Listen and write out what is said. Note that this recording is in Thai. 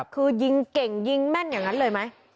คือยิงเก่งยิงแม่นอย่างนั้นเลยไหม